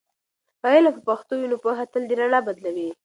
که علم په پښتو وي، نو پوهه تل د رڼا بدلوي.